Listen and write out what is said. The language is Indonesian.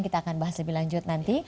kita akan bahas lebih lanjut nanti